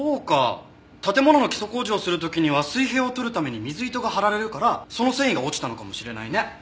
建物の基礎工事をする時には水平を取るために水糸が張られるからその繊維が落ちたのかもしれないね。